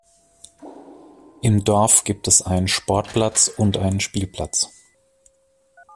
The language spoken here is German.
Im Dorf gibt es einen Sportplatz und einen Spielplatz.